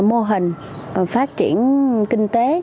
cái mô hình phát triển kinh tế